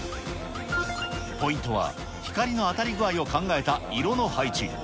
ポイントは、光の当たり具合を考えた色の配置。